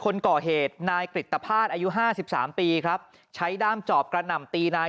คนก่อเหตุนายกริตภาษณ์อายุห้าสิบสามปีครับใช้ด้ามจอบกระหน่ำตีนาย